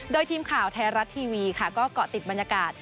โดยทีมข่าวไทยรัฐทีวีค่ะก็เกาะติดบรรยากาศ